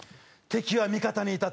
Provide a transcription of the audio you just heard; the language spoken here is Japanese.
敵は味方にいた。